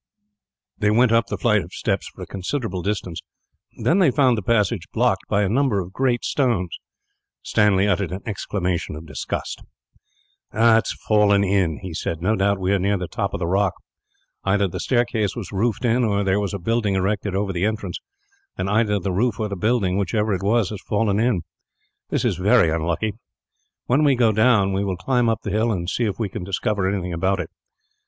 They went up the flight of steps for a considerable distance, then they found the passage blocked by a number of great stones. Stanley uttered an exclamation of disgust. "It has fallen in," he said. "No doubt we are near the top of the rock. Either the staircase was roofed in, or there was a building erected over the entrance; and either the roof or building, whichever it was, has fallen in. That is very unlucky. When we go down, we will climb up the hill and see if we can discover anything about it.